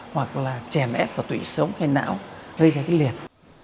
hoặc là chèn ép vào tủy sống hay não gây ra cái liệt